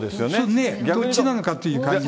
どっちなのかという感じが。